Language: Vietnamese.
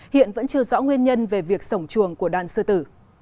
hiện vẫn chưa rõ nguyên nhân về việc sổng chuồng của đàn sư tử